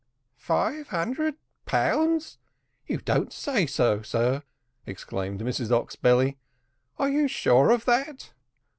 "Five hundred pounds you don't say so, sir?" exclaimed Mrs Oxbelly; "are you sure of that?"